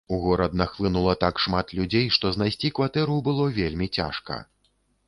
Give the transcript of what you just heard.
У горад нахлынула так шмат людзей, што знайсці кватэру было вельмі цяжка.